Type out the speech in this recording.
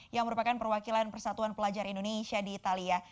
yang merupakan perwakilan persatuan pelajar indonesia di italia